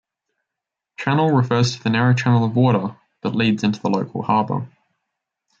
Channel refers to the narrow channel of water that leads into the local harbour.